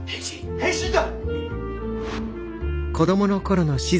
変身だ！